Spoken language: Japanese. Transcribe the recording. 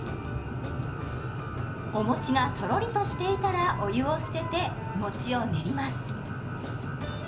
お餅がとろりとしていたらお湯を捨てて餅を練ります。